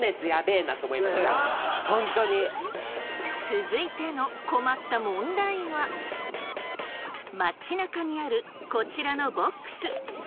続いての困った問題は街なかにあるこちらのボックス。